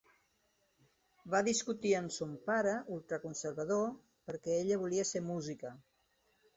Va discutir amb son pare, ultraconservador, perquè ella volia ser música.